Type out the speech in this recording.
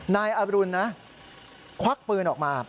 นายอรุณนะควักปืนออกมา